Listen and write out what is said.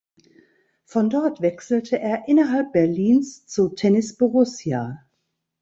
Von dort wechselte er innerhalb Berlins zu Tennis Borussia.